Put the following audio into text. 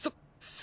そ